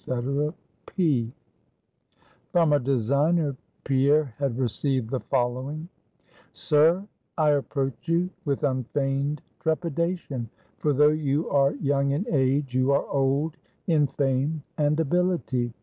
_" P From a designer, Pierre had received the following: "Sir: I approach you with unfeigned trepidation. For though you are young in age, you are old in fame and ability.